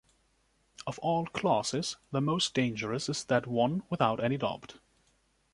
Of all classes, the most dangerous is that one, without any doubt.